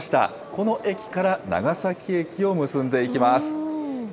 この駅から長崎駅を結んでいきます。